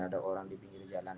ada orang di pinggir jalan